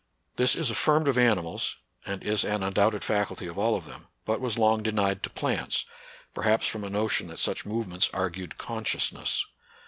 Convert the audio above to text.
This is affirmed of animals, and is an undoubted faculty of all of them, but was long denied to plants, perhaps from a notion that such movements argued consciousness.